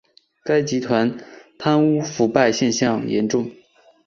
该集团贪污腐败现象严重。